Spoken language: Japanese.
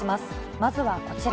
まずはこちら。